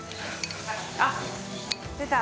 あっ出た！